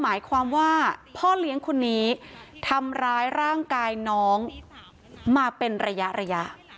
หมายความว่าพ่อเลี้ยงคนนี้ทำร้ายร่างกายน้องมาเป็นระยะ